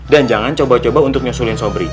dan jangan coba coba untuk nyusulin sobri ya